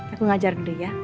aku ngajar dulu ya